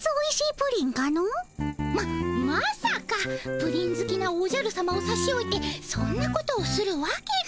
プリンずきなおじゃるさまをさしおいてそんなことをするわけが。